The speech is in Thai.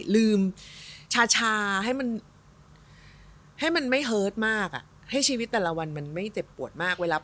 ลืมชาให้มันไม่เฮิรตมากให้ชีวิตแต่ละวันมันไม่เจ็บปวดมาก